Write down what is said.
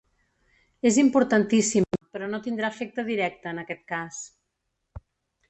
És importantíssima però no tindrà efecte directe, en aquest cas.